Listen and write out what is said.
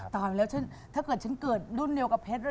ถ้าเกิดฉันเกิดรุ่นเดียวกับเพชร